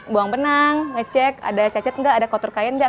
buang penang ngecek ada cacet enggak ada kotor kain enggak